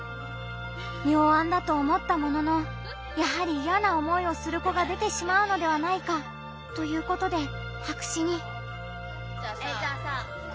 妙案だと思ったものの「やはりイヤな思いをする子が出てしまうのではないか」ということで白紙に。